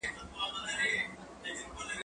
زه پرون سينه سپين کوم،